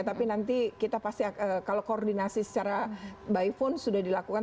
tapi nanti kita pasti kalau koordinasi secara by phone sudah dilakukan